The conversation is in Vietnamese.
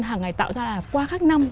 hàng ngày tạo ra là qua khắc năm